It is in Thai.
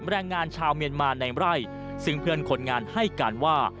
แรงงานชาวเมียนมาในไร่ซึ่งเพื่อนคนงานให้การว่า